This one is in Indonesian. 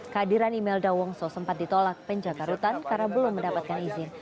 kehadiran imelda wongso sempat ditolak penjaga rutan karena belum mendapatkan izin